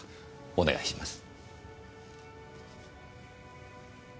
お願いします。